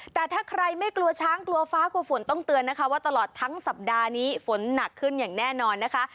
แต่ถ้าใครไม่กลัวช้างกลัวฟ้ากลัวฝนต้องเตือนนะคะว่าตลอดทั้งสัปดาห์นี้ฝนหนักขึ้นอย่างแน่นอนนะคะ